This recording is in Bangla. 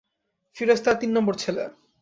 ফিরোজ তাঁর তিন নম্বর ছেলে।